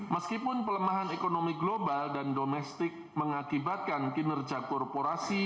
meskipun pelemahan ekonomi global dan domestik mengakibatkan kinerja korporasi